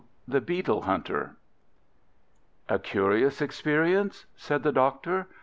THE BEETLE HUNTER A curious experience? said the Doctor.